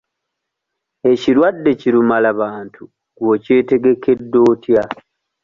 Ekirwadde ki lumala bantu gwe okyetegekedde otya?